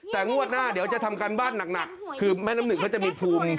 แต่งวดหน้าเดี๋ยวจะทำการบ้านหนักคือแม่น้ำหนึ่งเขาจะมีภูมิ